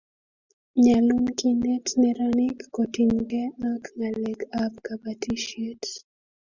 nyalun kinet neranik kotiny ge ak ng'alek ab kabatishiet